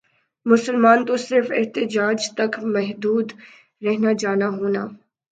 مسلمان تو صرف احتجاج تک محدود رہنا جانا ہونا